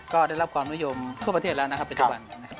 ก็ได้รับความนิยมทั่วประเทศแล้วนะครับปัจจุบันนะครับ